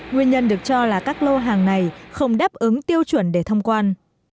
nguyên nhân được cho là các lô hàng này không đáp ứng tiêu chuẩn để thông quan